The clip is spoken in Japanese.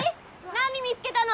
何見つけたの？